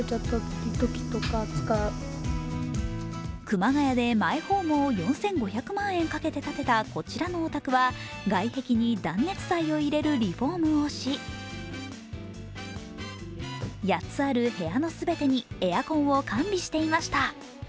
熊谷でマイホームを４５００万円かけて建てたこちらのお宅は、外壁に断熱材を入れるリフォームをし８つある部屋の全てにエアコンを完備していました。